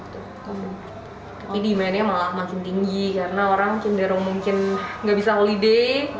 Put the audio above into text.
tapi demandnya malah makin tinggi karena orang cenderung mungkin nggak bisa holiday